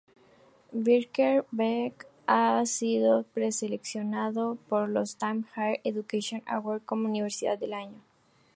Birkbeck ha sido preseleccionado por los "Times Higher Education Awards" como universidad del año.